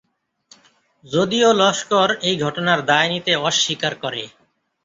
যদিও লস্কর এই ঘটনার দায় নিতে অস্বীকার করে।